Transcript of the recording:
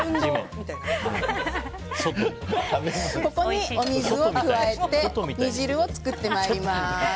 ここにお水を加えて煮汁を作ってまいります。